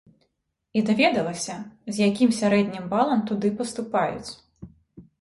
І даведалася, з якім сярэднім балам туды паступаюць.